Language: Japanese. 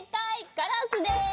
カラスです！